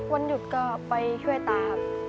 วันหยุดก็ไปช่วยตาครับ